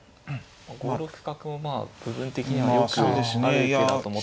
５六角もまあ部分的にはよくある手だと思ったので。